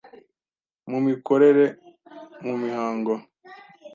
mu mikorere, mu mihango,